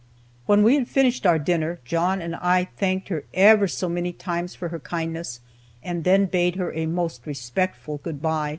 "When we had finished our dinner, John and I thanked her ever so many times for her kindness, and then bade her a most respectful good by.